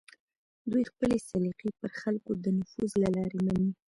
دوی خپلې سلیقې پر خلکو د نفوذ له لارې مني